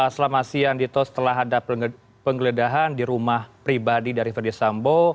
selama siang dito setelah ada penggeledahan di rumah pribadi dari verdi sambu